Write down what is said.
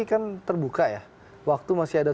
ini kan terbuka ya waktu masih ada